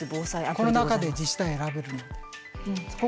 この中で自治体選べるので。